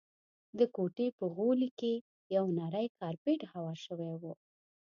د کوټې په غولي کي یو نری کارپېټ هوار شوی وو.